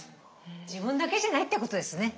自分だけじゃないってことですね。